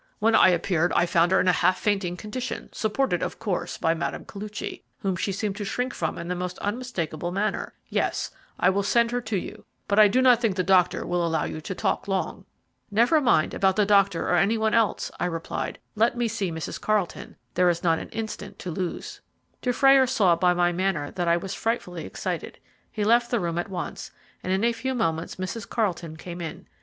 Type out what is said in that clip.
When I appeared I found her in a half fainting condition, supported, of course, by Mme. Koluchy, whom she seemed to shrink from in the most unmistakable manner. Yes, I will send her to you, but I do not think the doctor will allow you to talk long." "Never mind about the doctor or any one else," I replied; "let me see Mrs. Carlton there is not an instant to lose." Dufrayer saw by my manner that I was frightfully excited. He left the room at once, and in a few moments Mrs. Carlton came in.